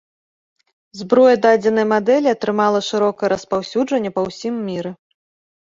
Зброя дадзенай мадэлі атрымала шырокае распаўсюджанне па ўсім міры.